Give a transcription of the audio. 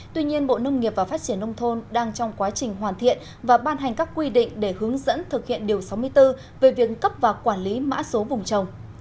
tuy nhiên bộ nông nghiệp và phát triển nông thôn đang trong quá trình hoàn thiện và ban hành các quy định để hướng dẫn thực hiện điều sáu mươi bốn về việc cấp và quản lý mã số vùng trồng